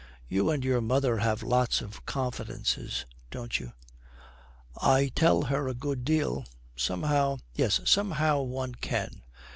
'You and your mother have lots of confidences, haven't you?' 'I tell her a good deal. Somehow ' 'Yes, somehow one can.'